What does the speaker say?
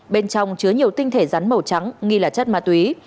bên trong chứa nhiều tinh thể rắn màu trắng nghi là chất ma túy